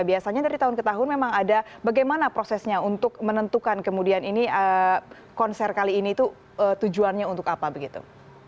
biasanya dari tahun ke tahun memang ada bagaimana prosesnya untuk menentukan kemudian ini konser kali ini itu tujuannya untuk apa begitu